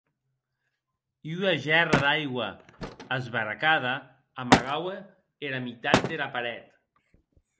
Ua gèrra d’aigua, esberecada, amagaue era mitat dera paret.